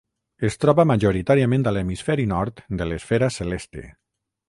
Es troba majoritàriament a l'hemisferi nord de l'esfera celeste.